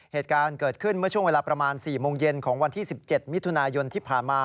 เหตุการณ์เกิดขึ้นเมื่อช่วงเวลาประมาณ๔โมงเย็นของวันที่๑๗มิถุนายนที่ผ่านมา